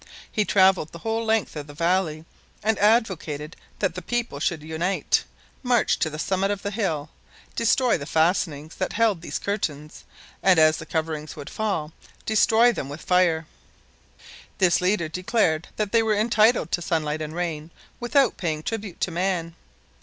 He traveled the whole length of the valley and advocated that the people should unite, march to the summit of the hill, destroy the fastenings that held these curtains and, as the coverings would fall, destroy them with fire. This leader declared that they were entitled to sunlight and rain without paying tribute to man.